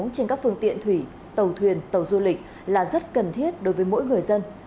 trên các phương tiện thủy tàu thuyền tàu du lịch là rất cần thiết đối với mỗi người dân